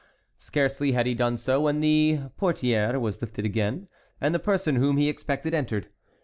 Scarcely had he done so when the portière was again lifted, and the person whom he expected entered.